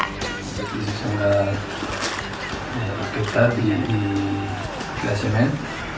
kita di klasemen